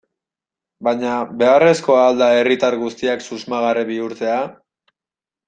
Baina, beharrezkoa al da herritar guztiak susmagarri bihurtzea?